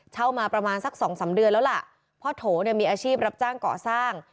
เช่ามาประมาณสักสองสามเดือนแล้วล่ะพ่อโถเนี่ยมีอาชีพรับจ้างก่อสร้าง